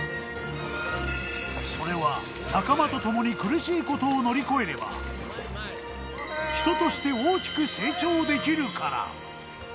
それは仲間と共に苦しいことを乗り越えれば、人として大きく成長できるから。